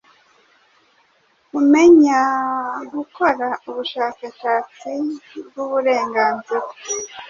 kumenyagukora ubushakashatsi bwuburenganzira